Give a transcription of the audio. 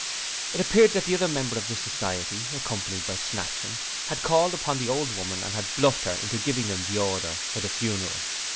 It appeared that the other member of the Society, accompanied by Snatchum, had called upon the old woman and had bluffed her into giving them the order for the funeral.